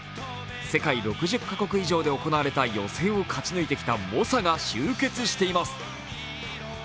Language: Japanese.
世界６０か国以上で行われた予選を勝ち抜いてきた猛者が集結しています。